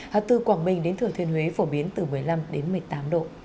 họ từ quảng bình đến thừa thiên huế phổ biến từ một mươi năm đến một mươi tám độ